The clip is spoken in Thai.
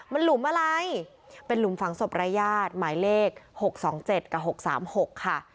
มันหลุมอะไรเป็นหลุมฝังศพรายญาติหมายเลข๖๒๗กับ๖๓๖ค่ะ